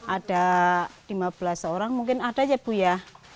ada lima belas orang mungkin ada ya bu ya